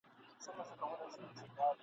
راباندي جنګ دی